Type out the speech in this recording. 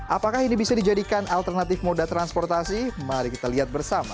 apakah ini bisa dijadikan alternatif moda transportasi mari kita lihat bersama